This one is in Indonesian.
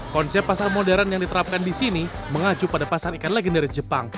konsep pasar modern yang diterapkan di sini mengacu pada pasar ikan legendaris jepang